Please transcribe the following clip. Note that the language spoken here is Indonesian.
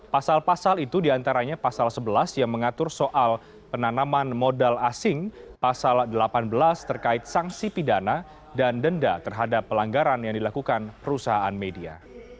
pasal pasal itu diantaranya pasal sebelas yang mengatur soal penanaman modal asing pasal delapan belas terkait sanksi pidana dan denda terhadap pelanggaran yang dilakukan perusahaan media